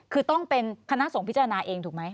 คือต้องเป็นคณะสงฆ์พิจารณาเองถูกไหม